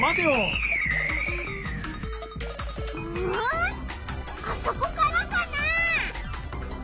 あそこからかな？